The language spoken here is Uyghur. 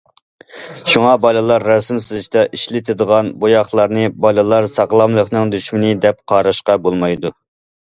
شۇڭا بالىلار رەسىم سىزىشتا ئىشلىتىدىغان بوياقلارنى بالىلار ساغلاملىقىنىڭ دۈشمىنى دەپ قاراشقا بولىدۇ.